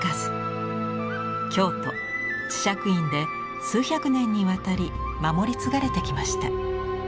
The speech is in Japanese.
京都・智積院で数百年にわたり守り継がれてきました。